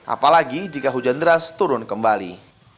apalagi jika hujan deras turun kembali